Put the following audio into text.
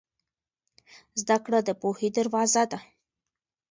زده کړه د پوهې دروازه ده.